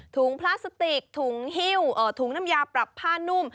พลาสติกถุงหิ้วถุงน้ำยาปรับผ้านุ่ม